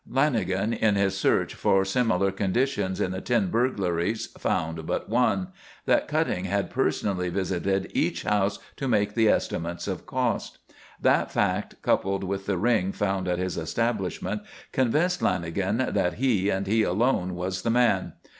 Lanagan, in his search for similar conditions in the ten burglaries found but one: that Cutting had personally visited each house to make the estimates of cost. That fact, coupled with the ring found at his establishment, convinced Lanagan that he and he alone was the man.